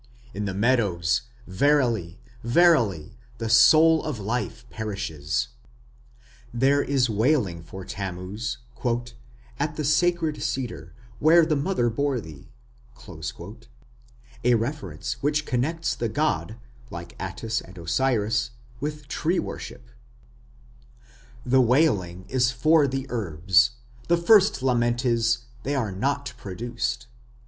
In the meadows, verily, verily, the soul of life perishes. There is wailing for Tammuz "at the sacred cedar, where the mother bore thee", a reference which connects the god, like Adonis and Osiris, with tree worship: The wailing is for the herbs: the first lament is, "they are not produced".